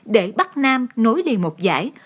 để bắc nam nối liền một giải